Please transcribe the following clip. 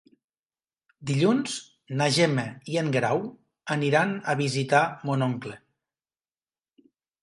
Dilluns na Gemma i en Guerau aniran a visitar mon oncle.